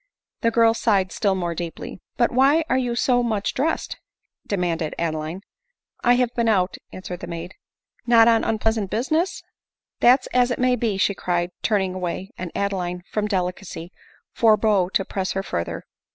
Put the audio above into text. The girl sighed still more deeply. " But why are you so much dressed?" demanded Adeline. " I have been out," answered the maid. " Not on unpleasant business ?"" That 's as it may be," she cried, turning away ; and Adeline, from delicacy, forbore to press her further.